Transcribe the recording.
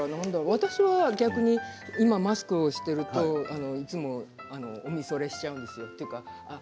私は逆に今マスクをしているといつもお見それしちゃうんですよ